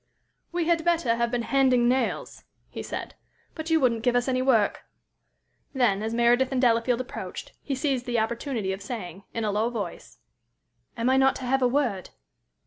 "We had better have been handing nails," he said, "but you wouldn't give us any work." Then, as Meredith and Delafield approached, he seized the opportunity of saying, in a low voice: "Am I not to have a word?"